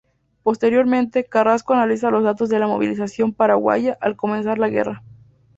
Posteriormente, Carrasco analiza los datos de la movilización paraguaya al comenzar la guerra.